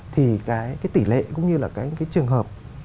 thì cái tỷ lệ cũng như là cái trường hợp